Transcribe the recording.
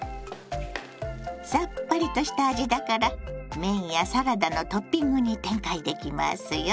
さっぱりとした味だから麺やサラダのトッピングに展開できますよ。